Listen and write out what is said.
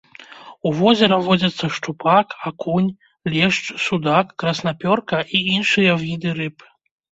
У возера водзяцца шчупак, акунь, лешч, судак, краснапёрка і іншыя віды рыб.